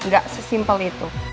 gak sesimpel itu